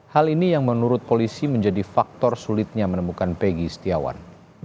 hal ini yang menurut polisi menjadi faktor sulitnya menemukan peggy setiawan